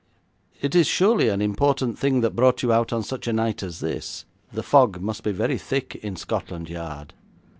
'It is surely an important thing that brought you out on such a night as this. The fog must be very thick in Scotland Yard.'